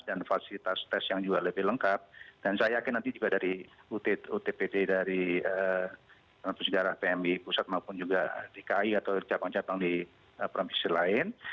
dan fasilitas tes yang juga lebih lengkap dan saya yakin nanti juga dari utpt dari translusi darah pmi pusat maupun juga di kai atau capang capang di perampisan lain